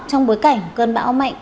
trong bối cảnh cơn bão mạnh